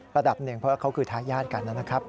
ละดับ๑เพราะเขาคือทายาทการนั้นนะครับ